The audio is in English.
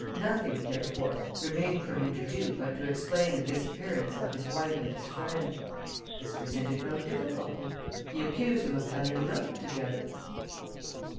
Nothing therefore remained for him to do but to explain the disappearance of his wife and his friend. This presented no difficulty. He accused them of having eloped together."